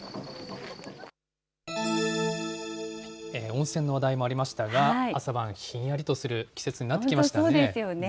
温泉の話題もありましたが、朝晩、ひんやりとする季節になってきましたね。